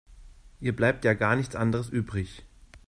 Ihr bleibt ja gar nichts anderes übrig.